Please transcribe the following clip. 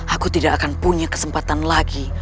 aku tidak akan punya kesempatan lagi